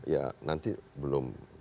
ya nanti belum